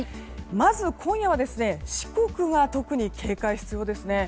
まず今夜は四国は特に警戒が必要です。